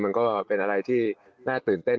มันก็เป็นอะไรที่น่าตื่นเต้น